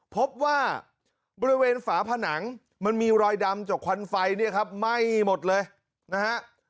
พบว่าบริเวณฝาผนังมันมีรอยดำจากควันไฟเนี่ยครับไหม้หมดเลยนะฮะ